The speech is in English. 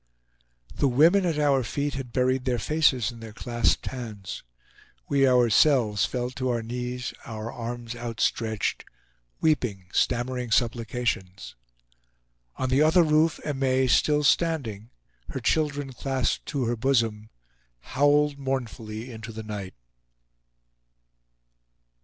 The women, at our feet, had buried their faces in their clasped hands. We, ourselves, fell to our knees, our arms outstretched, weeping, stammering supplications. On the other roof Aimee, still standing, her children clasped to her bosom, howled mournfully into the night.